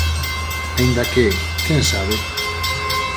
Aínda que, quen sabe?